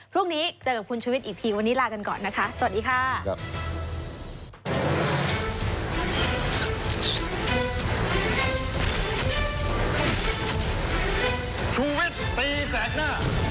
พรุ่งนี้เจอกับคุณชุวิตอีกทีวันนี้ลากันก่อนนะคะสวัสดีค่ะ